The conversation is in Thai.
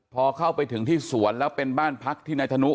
พอเข้าไปถึงที่สวนแล้วเป็นบ้านพักที่นายธนุ